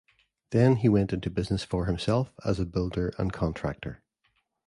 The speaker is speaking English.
Then he went into business for himself as a builder and contractor.